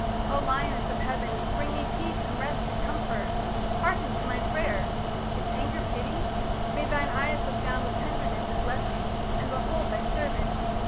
O lioness of heaven, bring me peace And rest and comfort. Hearken to my pray'r! Is anger pity? May thine eyes look down With tenderness and blessings, and behold Thy servant.